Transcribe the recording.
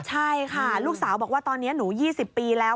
ใช่ค่ะลูกสาวบอกว่าตอนนี้หนู๒๐ปีแล้ว